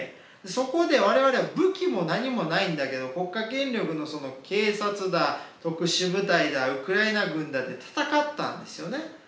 そこで我々は武器も何もないんだけど国家権力のその警察だ特殊部隊だウクライナ軍だって戦ったんですよね。